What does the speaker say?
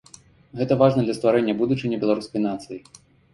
Гэта важна для стварэння будучыні беларускай нацыі.